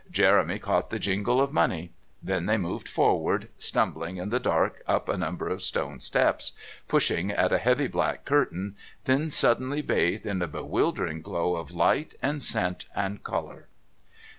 Jeremy caught the jingle of money. Then they moved forward, stumbling in the dark up a number of stone steps, pushing at a heavy black curtain, then suddenly bathed in a bewildering glow of light and scent and colour.